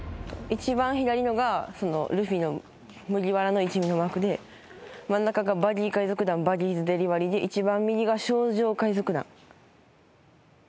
一番左のがルフィの麦わらの一味のマークで真ん中がバギー海賊団バギーズデリバリーで一番右がショウジョウ海賊団。